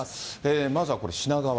まずはこれ、品川。